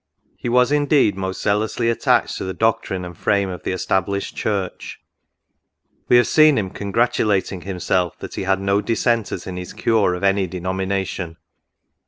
He was indeed most zealously attached to the doctrine and frame of the Established Church. We have seen him congratulating himself that he had no dissenters in his cure of any denomination.